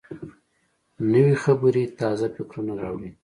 نوې خبرې تازه فکرونه راوړي